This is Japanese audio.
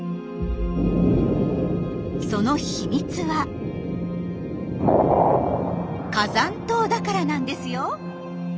その秘密は火山島だからなんですよ。